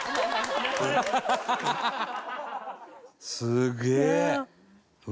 すげえ！